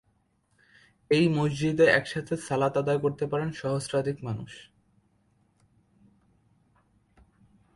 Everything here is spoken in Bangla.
এই মসজিদে একসাথে সালাত আদায় করতে পারেন সহস্রাধিক মানুষ।